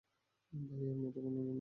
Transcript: ভাই এর মতো অন্য কেউ নেই।